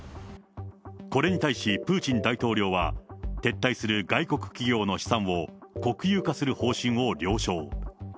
これに対し、プーチン大統領は、撤退する外国企業の資産を国有化する方針を了承。